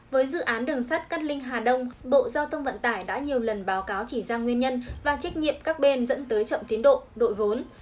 với dự án đường sắt cát linh hà đông bộ giao thông vận tải đã nhiều lần báo cáo chỉ ra nguyên nhân và trách nhiệm các bên dẫn tới chậm tiến độ đội vốn